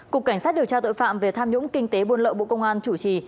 cục cảnh sát điều tra tội phạm về tham nhũng kinh tế buôn lậu bộ công an chủ trì